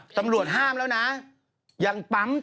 ตำรวจห้ามแล้วนะยังปั๊ม